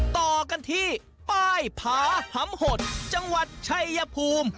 ต่อกันที่ป้ายผาหำหดจังหวัดชัยภูมิ